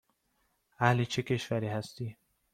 اهل چه کشوری هستی؟